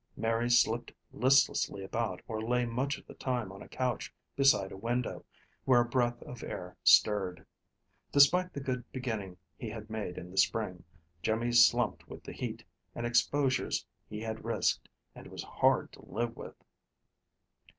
Mary slipped listlessly about or lay much of the time on a couch beside a window, where a breath of air stirred. Despite the good beginning he had made in the spring, Jimmy slumped with the heat and exposures he had risked, and was hard to live with.